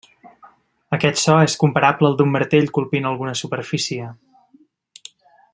Aquest so és comparable al d'un martell colpint alguna superfície.